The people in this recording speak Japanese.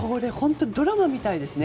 ドラマみたいですね。